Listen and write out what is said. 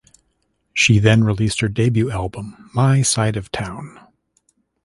She then released her debut album My Side of Town.